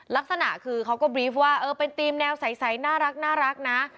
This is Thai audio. ลักษณะคือเขาก็บรีฟว่าเออเป็นธีมแนวใสน่ารักนะ